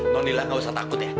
non nilla gak usah takut ya